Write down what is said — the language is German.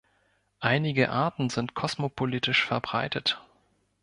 Einige Arten sind kosmopolitisch verbreitet.